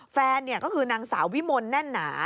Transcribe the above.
แฟนเนี่ยก็คือนางสาววิมนต์แน่นหนา